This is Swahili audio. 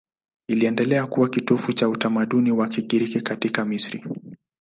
Iliendelea kuwa kitovu cha utamaduni wa Kigiriki katika Misri.